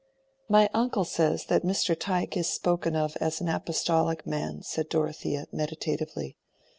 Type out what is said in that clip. "My uncle says that Mr. Tyke is spoken of as an apostolic man," said Dorothea, meditatively.